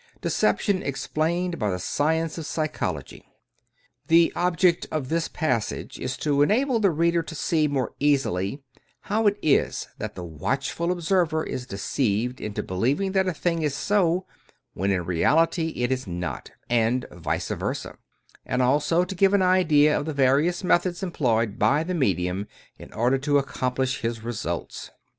DECEPTION EXPLAINED BY THE SCIENCE OF PSYCHOLOGY The object [of this passage] is to enable the reader to see, more easily, how it is that the watchful observer is deceived into believing that a thing is so, when in reality it is not, and vice versa; and also to give an idea of the various methods employed by the medium in order to ac comolish his results.